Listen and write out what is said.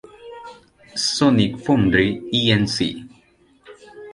Sonic Foundry Inc.